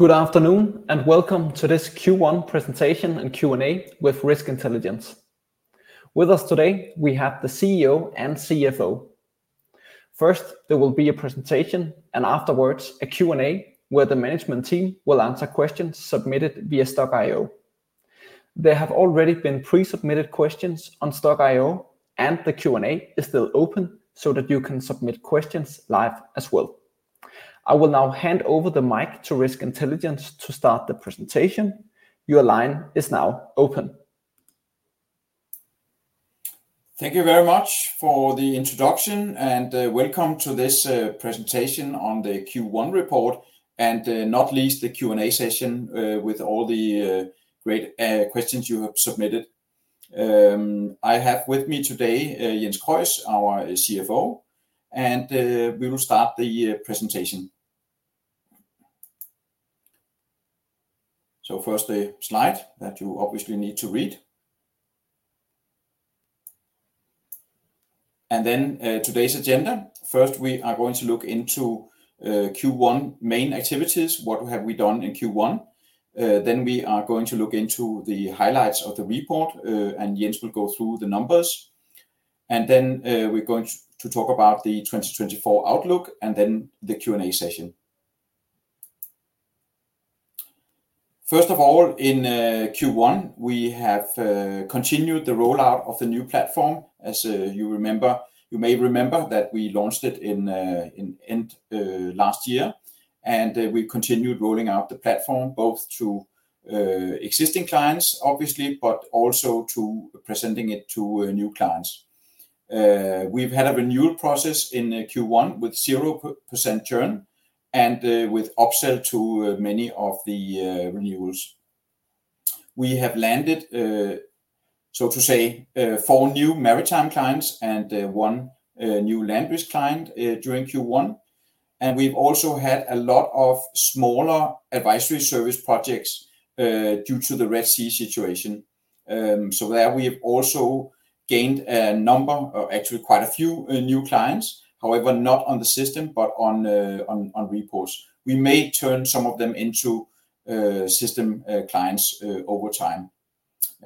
Good afternoon, and welcome to this Q1 presentation and Q&A with Risk Intelligence. With us today, we have the CEO and CFO. First, there will be a presentation, and afterwards, a Q&A, where the management team will answer questions submitted via Stokk.io. There have already been pre-submitted questions on Stokk.io, and the Q&A is still open so that you can submit questions live as well. I will now hand over the mic to Risk Intelligence to start the presentation. Your line is now open. Thank you very much for the introduction, and welcome to this presentation on the Q1 report and, not least, the Q&A session with all the great questions you have submitted. I have with me today Jens Krøis, our CFO, and we will start the presentation. So first, a slide that you obviously need to read. And then today's agenda. First, we are going to look into Q1 main activities. What have we done in Q1? Then we are going to look into the highlights of the report, and Jens will go through the numbers. And then we're going to talk about the 2024 outlook and then the Q&A session. First of all, in Q1, we have continued the rollout of the new platform. As you may remember that we launched it in end last year, and we continued rolling out the platform, both to existing clients, obviously, but also to presenting it to new clients. We've had a renewal process in Q1 with 0% churn and with upsell to many of the renewals. We have landed, so to say, four new maritime clients and one new land risk client during Q1. And we've also had a lot of smaller advisory service projects due to the Red Sea situation. So there we have also gained a number, or actually quite a few new clients, however, not on the system, but on reports. We may turn some of them into system clients over time.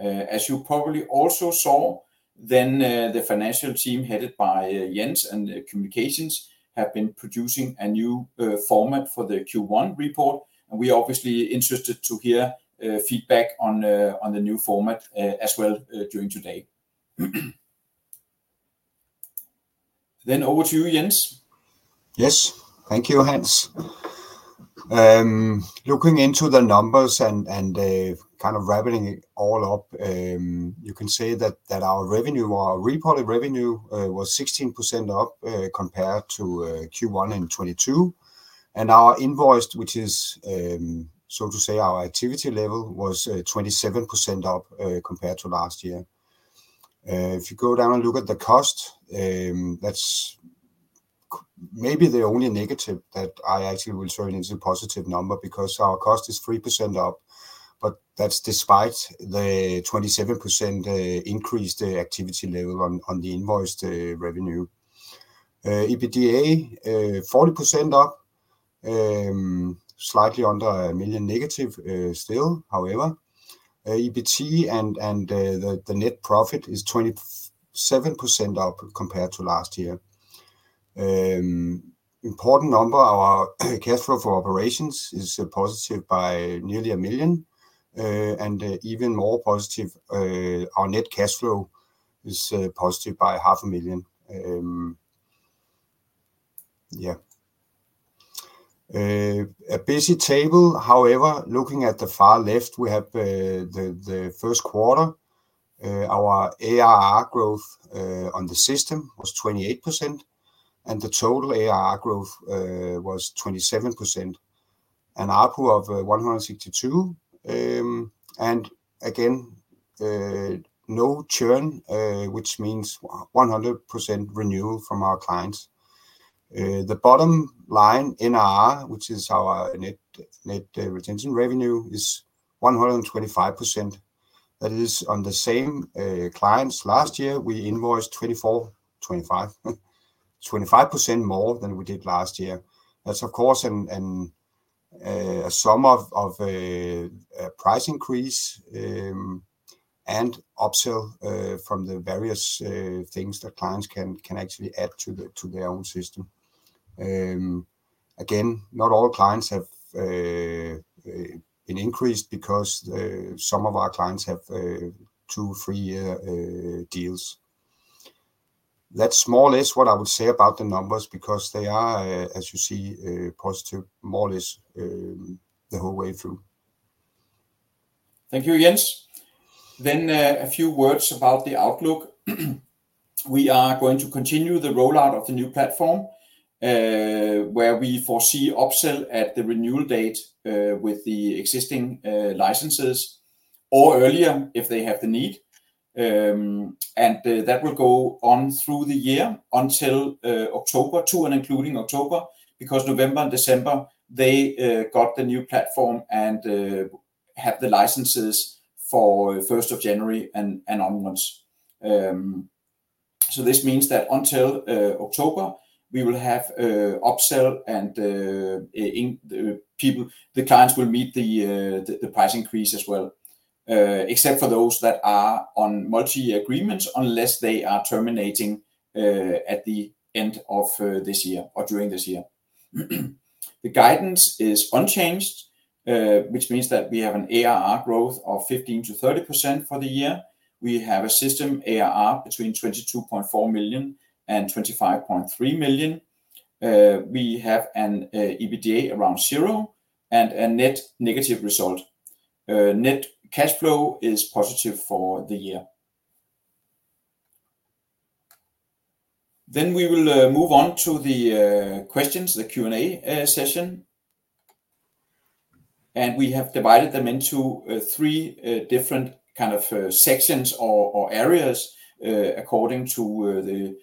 As you probably also saw, then, the financial team, headed by Jens and Communications, have been producing a new format for the Q1 report, and we are obviously interested to hear feedback on the new format as well during today. Then over to you, Jens. Yes. Thank you, Hans. Looking into the numbers and kind of wrapping it all up, you can say that our revenue, our reported revenue, was 16% up, compared to Q1 in 2022. And our invoiced, which is, so to say, our activity level, was 27% up, compared to last year. If you go down and look at the cost, that's maybe the only negative that I actually will turn into a positive number, because our cost is 3% up, but that's despite the 27% increase the activity level on the invoiced revenue. EBITDA 40% up, slightly under -1 million, still. However, EBITDA and the net profit is 27% up compared to last year. Important number, our cash flow for operations is positive by nearly 1 million, and even more positive, our net cash flow is positive by 500,000. A busy table, however, looking at the far left, we have the first quarter. Our ARR growth on the system was 28%, and the total ARR growth was 27%. An ARPU of 162, and again, no churn, which means 100% renewal from our clients. The bottom line, NRR, which is our net retention revenue, is 125%. That is on the same clients. Last year, we invoiced 24%, 25%, 25% more than we did last year. That's of course a sum of a price increase and upsell from the various things that clients can actually add to their own system. Again, not all clients have an increase because some of our clients have two- and three-year deals. That's more or less what I would say about the numbers, because they are as you see positive, more or less, the whole way through. Thank you, Jens. Then, a few words about the outlook. We are going to continue the rollout of the new platform, where we foresee upsell at the renewal date, with the existing licenses or earlier, if they have the need. And, that will go on through the year until October, to and including October, because November and December, they got the new platform and have the licenses for 1st of January and onwards. So this means that until October, we will have upsell and the clients will meet the price increase as well, except for those that are on multi-year agreements, unless they are terminating at the end of this year or during this year. The guidance is unchanged, which means that we have an ARR growth of 15%-30% for the year. We have a system ARR between 22.4 million and 25.3 million. We have an EBITDA around zero and a net negative result. Net cash flow is positive for the year. Then we will move on to the questions, the Q&A session. And we have divided them into three different kind of sections or areas according to the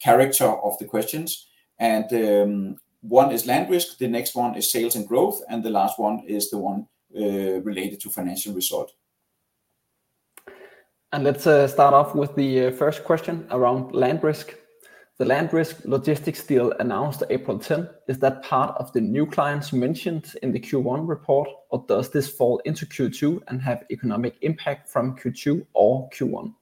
character of the questions. And one is LandRisk, the next one is sales and growth, and the last one is the one related to financial result. Let's start off with the first question around LandRisk. The LandRisk Logistics deal announced April 10, is that part of the new clients mentioned in the Q1 report, or does this fall into Q2 and have economic impact from Q2 or Q1?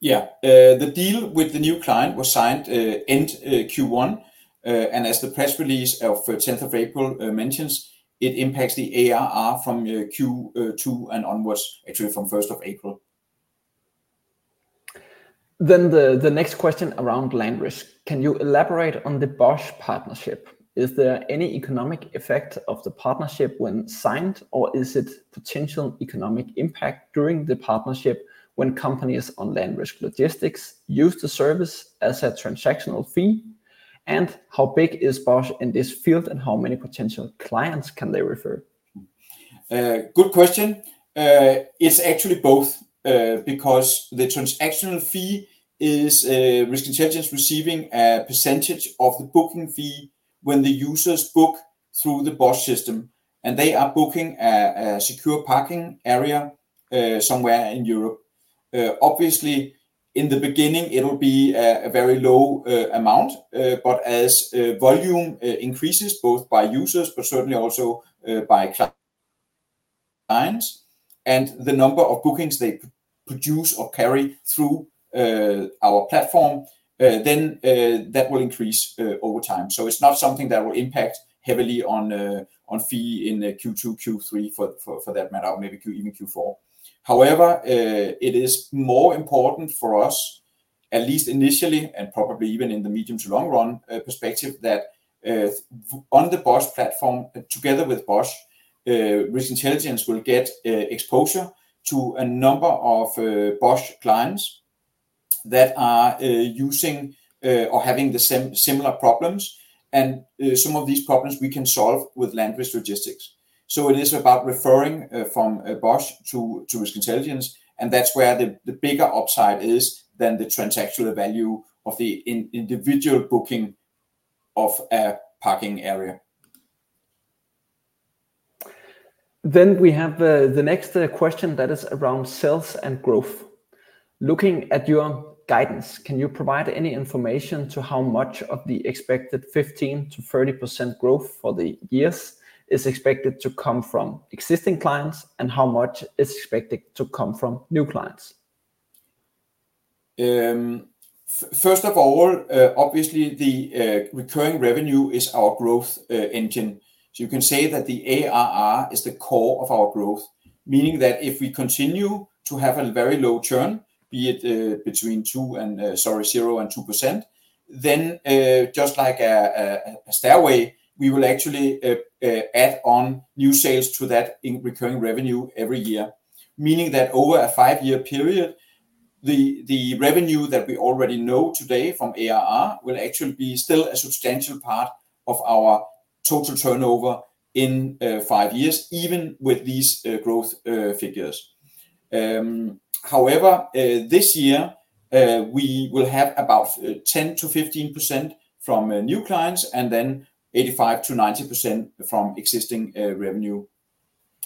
Yeah. The deal with the new client was signed end Q1. And as the press release of tenth of April mentions, it impacts the ARR from Q2 and onwards, actually from 1st of April. Then the next question around LandRisk: Can you elaborate on the Bosch partnership? Is there any economic effect of the partnership when signed, or is it potential economic impact during the partnership when companies on LandRisk Logistics use the service as a transactional fee? And how big is Bosch in this field, and how many potential clients can they refer? Good question. It's actually both, because the transactional fee is Risk Intelligence receiving a percentage of the booking fee when the users book through the Bosch system, and they are booking a secure parking area somewhere in Europe. Obviously, in the beginning, it will be a very low amount. But as volume increases, both by users, but certainly also by clients, and the number of bookings they produce or carry through our platform, then that will increase over time. So it's not something that will impact heavily on fee in Q2, Q3, for that matter, or maybe even Q4. However, it is more important for us, at least initially and probably even in the medium to long run perspective, that on the Bosch platform, together with Bosch, Risk Intelligence will get exposure to a number of Bosch clients that are using or having the similar problems. And some of these problems we can solve with LandRisk Logistics. So it is about referring from Bosch to Risk Intelligence, and that's where the bigger upside is than the transactional value of the individual booking of a parking area. Then we have the next question that is around sales and growth. Looking at your guidance, can you provide any information to how much of the expected 15%-30% growth for the years is expected to come from existing clients, and how much is expected to come from new clients? First of all, obviously, the recurring revenue is our growth engine. So you can say that the ARR is the core of our growth, meaning that if we continue to have a very low churn, be it between 0% and 2%, then just like a stairway, we will actually add on new sales to that in recurring revenue every year. Meaning that over a five-year period, the revenue that we already know today from ARR will actually be still a substantial part of our total turnover in five years, even with these growth figures. However, this year, we will have about 10%-15% from new clients, and then 85%-90% from existing revenue.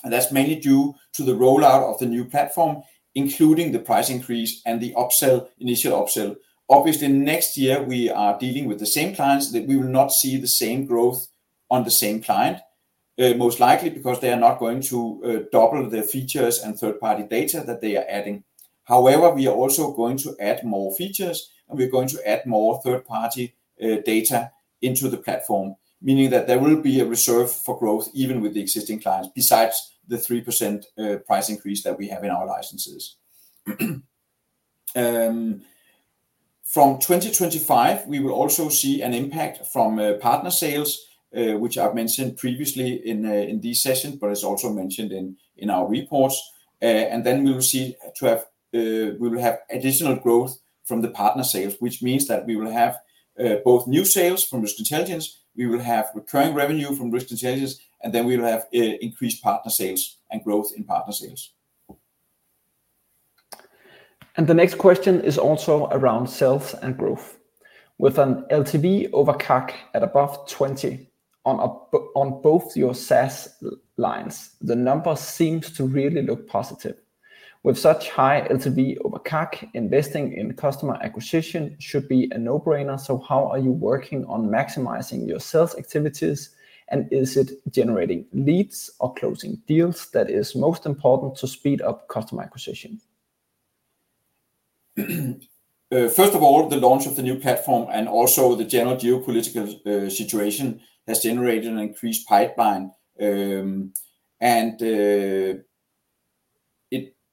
That's mainly due to the rollout of the new platform, including the price increase and the upsell, initial upsell. Obviously, next year, we are dealing with the same clients, that we will not see the same growth on the same client, most likely because they are not going to double their features and third-party data that they are adding. However, we are also going to add more features, and we're going to add more third-party data into the platform, meaning that there will be a reserve for growth even with the existing clients, besides the 3% price increase that we have in our licenses. From 2025, we will also see an impact from partner sales, which I've mentioned previously in this session, but it's also mentioned in our reports. And then we will have additional growth from the partner sales, which means that we will have both new sales from Risk Intelligence, we will have recurring revenue from Risk Intelligence, and then we will have increased partner sales and growth in partner sales. The next question is also around sales and growth. With an LTV over CAC at above 20... on both your SaaS lines, the numbers seems to really look positive. With such high LTV over CAC, investing in customer acquisition should be a no-brainer. So how are you working on maximizing your sales activities, and is it generating leads or closing deals that is most important to speed up customer acquisition? First of all, the launch of the new platform and also the general geopolitical situation has generated an increased pipeline.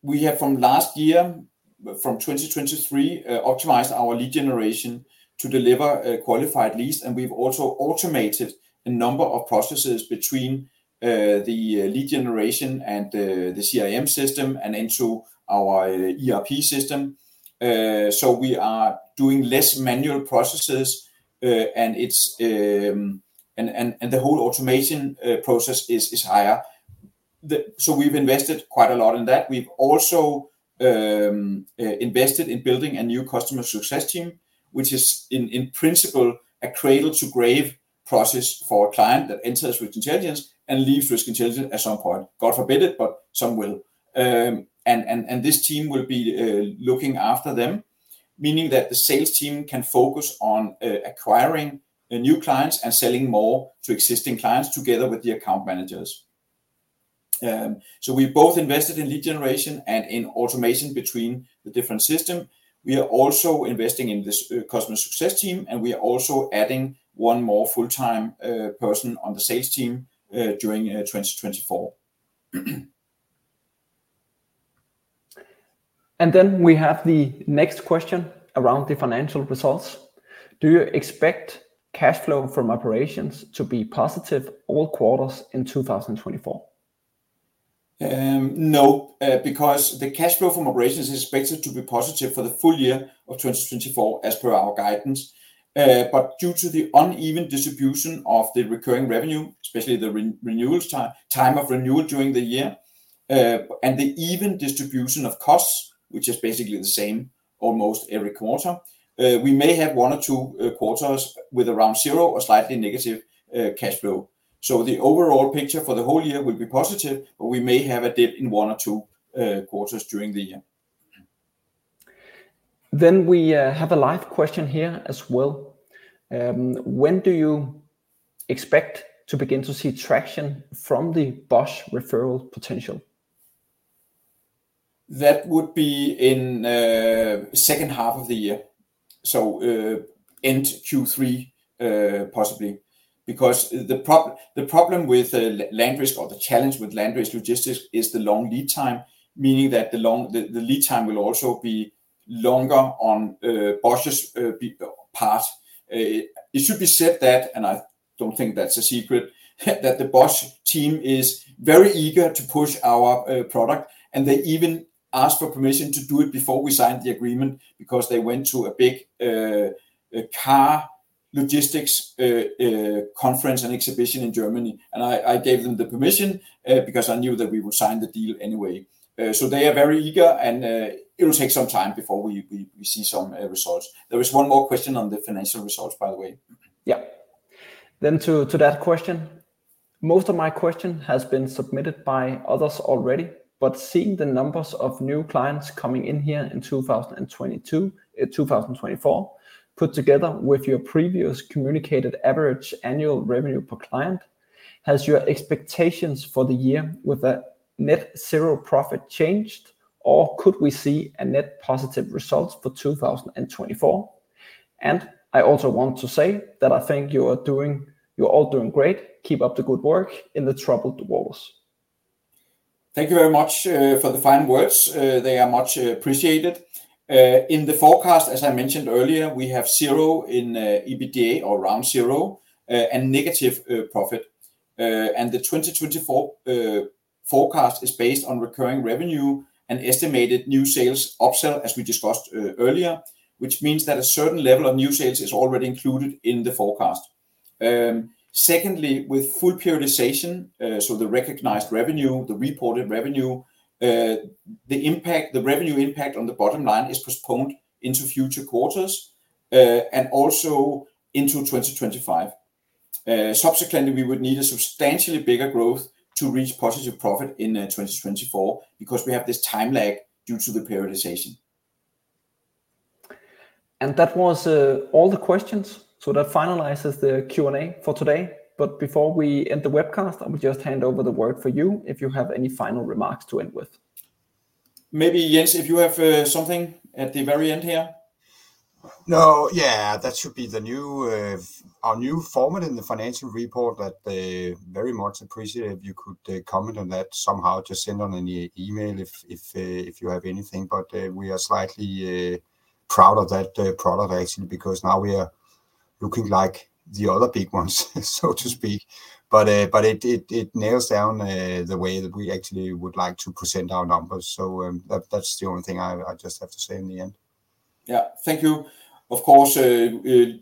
We have from last year, from 2023, optimized our lead generation to deliver qualified leads, and we've also automated a number of processes between the lead generation and the CRM system and into our ERP system. So we are doing less manual processes, and the whole automation process is higher. So we've invested quite a lot in that. We've also invested in building a new customer success team, which is in principle a cradle to grave process for a client that enters Risk Intelligence and leaves Risk Intelligence at some point. God forbid it, but some will. This team will be looking after them, meaning that the sales team can focus on acquiring the new clients and selling more to existing clients together with the account managers. So we both invested in lead generation and in automation between the different systems. We are also investing in this customer success team, and we are also adding one more full-time person on the sales team during 2024. We have the next question around the financial results: Do you expect cash flow from operations to be positive all quarters in 2024? No, because the cash flow from operations is expected to be positive for the full year of 2024, as per our guidance. But due to the uneven distribution of the recurring revenue, especially the re-renewal time, time of renewal during the year, and the even distribution of costs, which is basically the same almost every quarter, we may have one or two quarters with around zero or slightly negative cash flow. So the overall picture for the whole year will be positive, but we may have a dip in one or two quarters during the year. Then we have a live question here as well. When do you expect to begin to see traction from the Bosch referral potential? That would be in second half of the year. So, end Q3, possibly, because the problem with LandRisk or the challenge with LandRisk Logistics is the long lead time, meaning that the lead time will also be longer on Bosch's part. It should be said that, and I don't think that's a secret, that the Bosch team is very eager to push our product, and they even asked for permission to do it before we signed the agreement, because they went to a big car logistics conference and exhibition in Germany. And I gave them the permission, because I knew that we would sign the deal anyway. So they are very eager, and it will take some time before we see some results. There is one more question on the financial results, by the way. Yeah. Then to, to that question, most of my question has been submitted by others already, but seeing the numbers of new clients coming in here in 2022, 2024, put together with your previous communicated average annual revenue per client, has your expectations for the year with a net zero profit changed, or could we see a net positive results for 2024? I also want to say that I think you are doing. You're all doing great. Keep up the good work in the troubled waters. Thank you very much for the kind words. They are much appreciated. In the forecast, as I mentioned earlier, we have zero in EBITDA or around zero and negative profit. The 2024 forecast is based on recurring revenue and estimated new sales upsell, as we discussed earlier, which means that a certain level of new sales is already included in the forecast. Secondly, with full periodization, so the recognized revenue, the reported revenue, the impact, the revenue impact on the bottom line is postponed into future quarters and also into 2025. Subsequently, we would need a substantially bigger growth to reach positive profit in 2024 because we have this time lag due to the periodization. That was all the questions, so that finalizes the Q&A for today. Before we end the webcast, I will just hand over the word for you, if you have any final remarks to end with. Maybe, Jens, if you have something at the very end here? No. Yeah, that should be the new, our new format in the financial report. That very much appreciate if you could comment on that somehow. Just send an e-mail if, if, if you have anything. But, we are slightly proud of that product actually, because now we are looking like the other big ones, so to speak. But, but it, it, it nails down the way that we actually would like to present our numbers. So, that, that's the only thing I, I just have to say in the end. Yeah. Thank you. Of course, we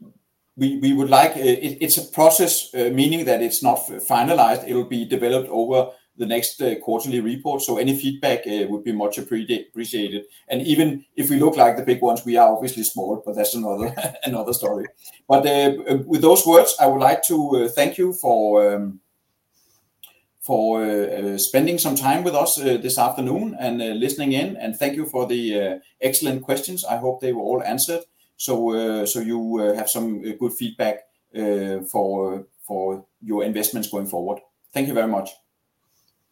would like... It's a process, meaning that it's not finalized. It will be developed over the next quarterly report, so any feedback would be much appreciated. And even if we look like the big ones, we are obviously small, but that's another story. But, with those words, I would like to thank you for spending some time with us this afternoon and listening in. And thank you for the excellent questions. I hope they were all answered. So, you have some good feedback for your investments going forward. Thank you very much.